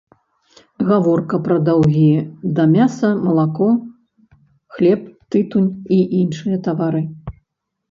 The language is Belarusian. Гаворка пра даўгі да мяса, малако, хлеб, тытунь і іншыя тавары.